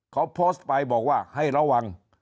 เขาโพสต์ไปบอกว่าให้ระวัง